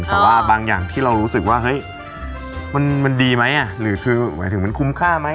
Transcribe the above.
แต่ว่าบางอย่างที่เรารู้สึกว่าเฮ้ยมันดีไหมหรือคือหมายถึงมันคุ้มค่าไหม